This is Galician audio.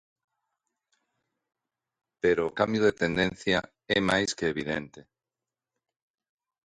Pero o cambio de tendencia é máis que evidente.